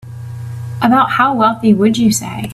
About how wealthy would you say?